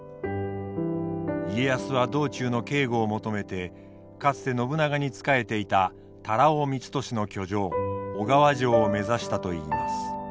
家康は道中の警護を求めてかつて信長に仕えていた多羅尾光俊の居城小川城を目指したといいます。